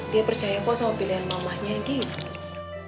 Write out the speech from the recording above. dia percaya gue sama pilihan mamahnya gitu